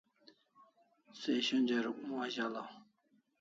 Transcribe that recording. Se shonja Rukmu azalaw